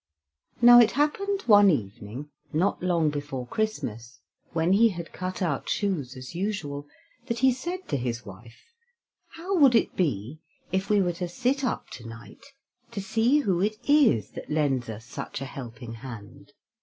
Now it happened one evening, not long before Christmas, when he had cut out shoes as usual, that he said to his wife: "How would it be if we were to sit up to night to see who it is that lends us such a helping hand?"